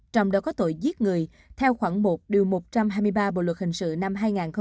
trong đó có tội giết người theo khoảng một một trăm hai mươi ba bộ luật hình sự năm hai nghìn một mươi năm